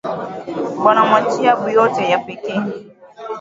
Bana mwachiya byote yepeke